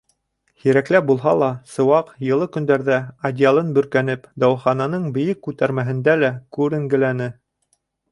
Һирәкләп булһа ла сыуаҡ, йылы көндәрҙә, одеялын бөркәнеп, дауахананың бейек күтәрмәһендә лә күренгеләне.